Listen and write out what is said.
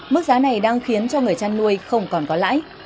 mức giá này đang khiến cho người chăn nuôi không còn có lãi